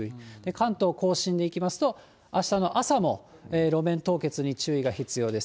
関東甲信でいきますと、あしたの朝も路面凍結に注意が必要です。